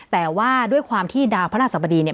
แต่ว่าด้วยความที่ดาวพระราชสบดีเนี่ย